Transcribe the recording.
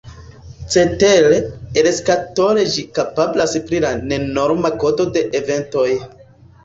Cetere, elskatole ĝi kapablas pri la nenorma kodo de Eventoj.